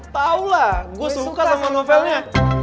tau lah gue suka sama novelnya